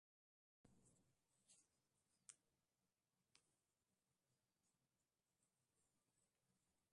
А для этого нам надо прилежно работать по двум фронтам.